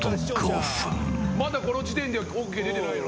まだこの時点でＯＫ出てない。